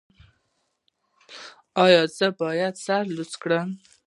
ایا زه باید سر لوڅ کړم؟